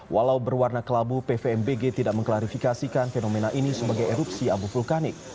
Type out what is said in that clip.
walau berwarna kelabu pvmbg tidak mengklarifikasikan fenomena ini sebagai erupsi abu vulkanik